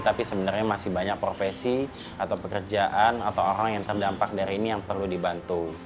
tapi sebenarnya masih banyak profesi atau pekerjaan atau orang yang terdampak dari ini yang perlu dibantu